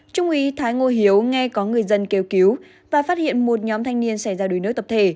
trung úy thái ngô hiếu nghe có người dân kêu cứu và phát hiện một nhóm thanh niên xảy ra đuối nước tập thể